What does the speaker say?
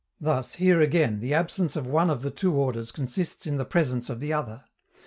Thus, here again, the absence of one of the two orders consists in the presence of the other.